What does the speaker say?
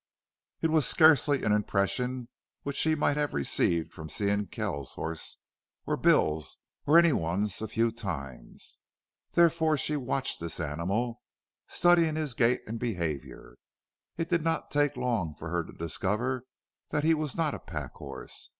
It was scarcely an impression which she might have received from seeing Kells's horse or Bill's or any one's a few times. Therefore she watched this animal, studying his gait and behavior. It did not take long for her to discover that he was not a pack horse.